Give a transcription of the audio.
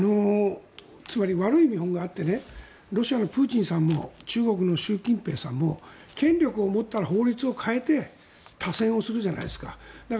つまり悪い見本があってロシアのプーチンさんも中国の習近平さんも権力を持ったら法律を変えて多選をするじゃないですか。